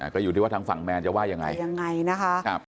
ก็อยู่ที่ว่าทางฝั่งแมนจะว่ายังไงยังไงนะคะ